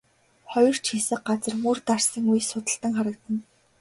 Хоёр ч хэсэг газар мөр дарсан үе судалтан харагдана.